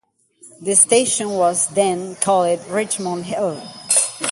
The station was then called Richmond Hill.